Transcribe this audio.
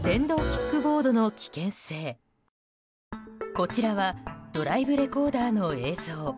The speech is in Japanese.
こちらはドライブレコーダーの映像。